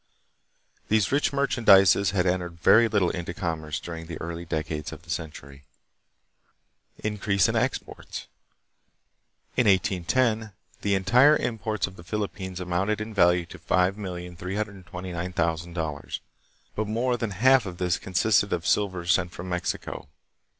These rich merchandises had entered very little into commerce during the early decades of the century. Increase in Exports. In 1810 the entire imports of the Philippines amounted in value to 5,329,000 dollars, but more than half of this consisted of silver sent from Mexico.